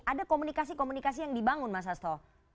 ada komunikasi komunikasi yang dibangun mas asto